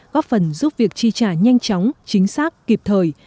góp phần giúp việc chi trả nhanh chóng chính xác kịp thời